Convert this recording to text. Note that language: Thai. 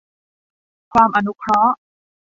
ความอนุเคราะห์